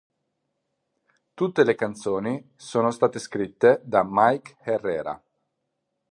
Tutte le canzoni sono state scritte da Mike Herrera